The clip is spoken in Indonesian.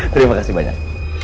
terima kasih banyak